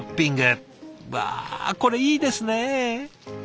わあこれいいですねえ。